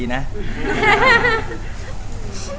ลุยละครับ